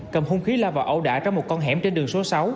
cầm hung khí la vào ẩu đả trong một con hẻm trên đường số sáu